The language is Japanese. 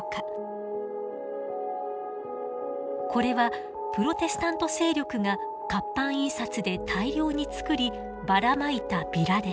これはプロテスタント勢力が活版印刷で大量に作りばらまいたビラです。